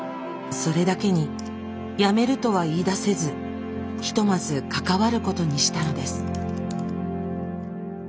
それだけにやめるとは言いだせずひとまず関わることにしたのです。